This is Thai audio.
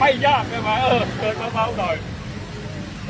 ไม่ยากเลยไหม